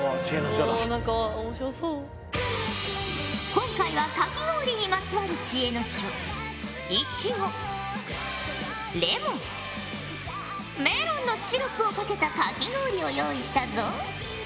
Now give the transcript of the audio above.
今回はかき氷にまつわる知恵の書。のシロップをかけたかき氷を用意したぞ。